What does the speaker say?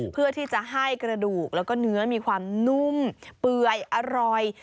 เพื่อที่จะให้กระดูกแล้วก็เนื้อมีความนุ่มเปื่อยอร่อย